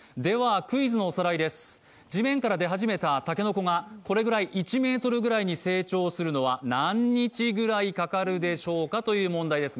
クイズのおさらいです、地面から出始めた竹の子がこれぐらい１ｍくらいに成長するのは何日くらいかかるでしょうかという問題です。